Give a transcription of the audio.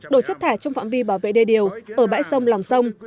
đổ chất thải trong phạm vi bảo vệ đê điều ở bãi sông lòng sông